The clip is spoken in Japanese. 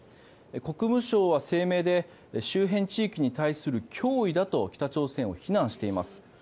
国務省は声明で周辺地域に対する脅威だと北朝鮮を非難しています。